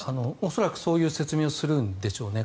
恐らくそういう説明をするんでしょうね。